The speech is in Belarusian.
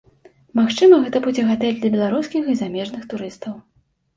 Магчыма гэта будзе гатэль для беларускіх і замежных турыстаў.